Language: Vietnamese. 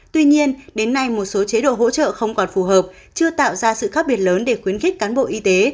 tuy nhiên đến nay một số chế độ hỗ trợ không còn phù hợp chưa tạo ra sự khác biệt lớn để khuyến khích cán bộ y tế